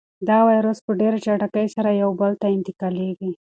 دا وېروس په ډېرې چټکۍ سره له یو بل ته انتقالېږي.